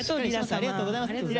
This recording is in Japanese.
ありがとうございます。